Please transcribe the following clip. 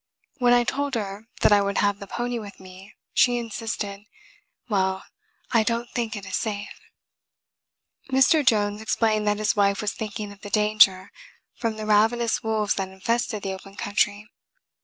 When I told her that I would have the pony with me, she insisted, "Well, I don't think it is safe." Mr. Jones explained that his wife was thinking of the danger from the ravenous wolves that infested the open country.